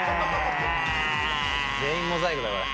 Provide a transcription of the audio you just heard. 全員モザイクだこれ。